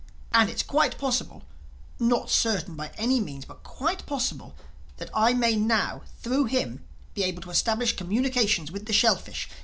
And it's quite possible—not certain, by any means, but quite possible—that I may now, through him, be able to establish communication with the shellfish.